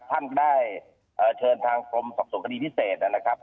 ท่านก็ได้เชิญทางกรมสอบส่วนคดีพิเศษนะครับ